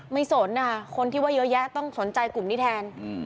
สนนะคะคนที่ว่าเยอะแยะต้องสนใจกลุ่มนี้แทน